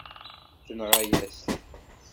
Tenɣa-yas-t.